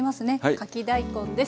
かき大根です。